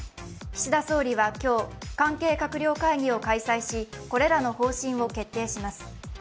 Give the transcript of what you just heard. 岸田総理は今日、関係閣僚会議を開催し、これらの方針を決定します。